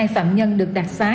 năm mươi hai phạm nhân được đặc xá